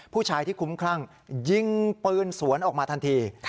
ผู้ชายที่คุ้มคลั่งยิงปืนสวนออกมาทันที